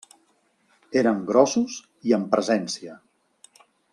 Eren grossos i amb presència.